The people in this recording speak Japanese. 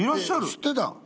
知ってたん？